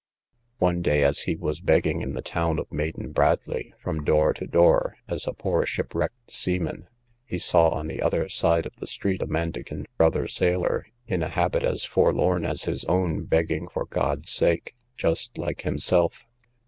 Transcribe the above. One day, as he was begging in the town of Maiden Bradley, from door to door, as a poor shipwrecked seaman, he saw on the other side of the street a mendicant brother sailor, in a habit as forlorn as his own, begging for God's sake, just like himself.